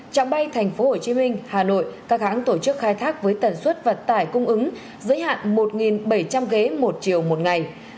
trạng bay tp hcm hà nội các hãng tổ chức khai thác với tần suất vận tải cung ứng giới hạn một bảy trăm linh ghế một chiều một ngày